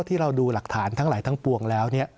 ที่เราดูหลักฐานทั้งหลายทั้งปวงแล้ว